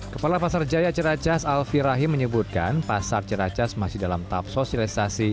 kepala pasar jaya ceracas alfie rahim menyebutkan pasar ciracas masih dalam tahap sosialisasi